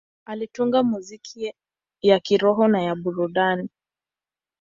Alitunga muziki ya kiroho na ya burudani.